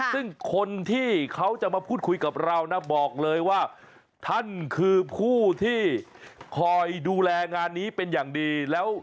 ซึ่งคนที่เขาจะมาพูดคุยกับเรานะบอกเลยว่าท่านคือผู้ที่คอยดูแลงานนี้เป็นอย่างดีแล้ว